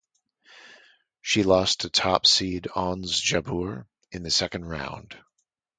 She lost to top seed Ons Jabeur in the second round.